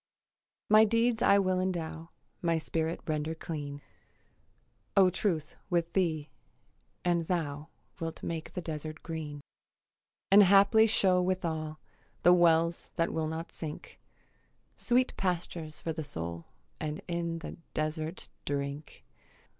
My deeds I will endow, My spirit render clean, O Truth, with thee; and thou Wilt make the desert green; And haply show withal The wells that will not sink, Sweet pastures for the soul, And in the desert drink.